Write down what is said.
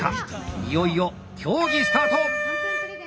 いよいよ競技スタート！